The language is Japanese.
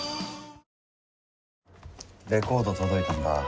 レコード届いたんだ